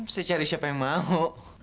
saya cari siapa yang mau